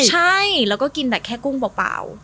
ใช่แล้วก็กินแต่แค่กุ้งเปล่า